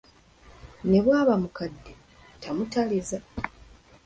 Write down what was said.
Ne bw’aba mukadde tamutaliza!